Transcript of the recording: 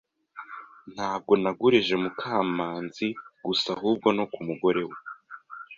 Ntabwo nagurije Mukamanzi gusa, ahubwo no ku mugore we.